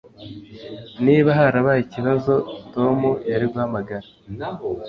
Niba harabaye ikibazo Tom yari guhamagara